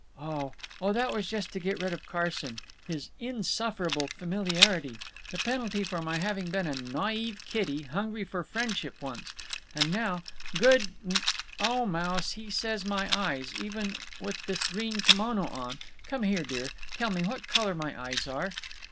"Oh! Oh, that was just to get rid of Carson…. His insufferable familiarity! The penalty for my having been a naive kiddy, hungry for friendship, once. And now, good n—. Oh, Mouse, he says my eyes—even with this green kimono on— Come here, dear. tell me what color my eyes are."